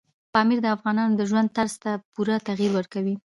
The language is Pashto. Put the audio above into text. پامیر د افغانانو د ژوند طرز ته پوره تغیر ورکوي.